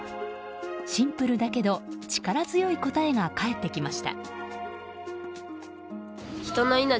シンプルだけど力強い答えが返ってきました。